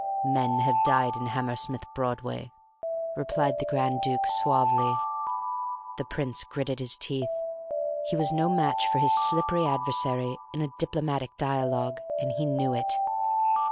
"Men have died in Hammersmith Broadway," replied the Grand Duke suavely. The Prince gritted his teeth. He was no match for his slippery adversary in a diplomatic dialogue, and he knew it.